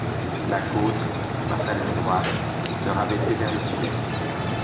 La côte, par une ligne droite, se rabaissait vers le sud-est.